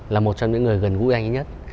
là một trong những người gần gũi anh nhất